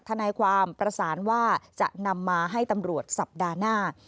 ทนายความประสานว่าจะนำมาให้ตำรวจสัปดาห์หน้า